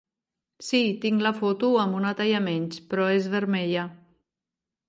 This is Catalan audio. Sí, tinc la foto amb una talla menys, però és vermella.